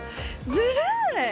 ずるい！